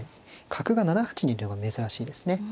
角が７八にいるのが珍しいですね。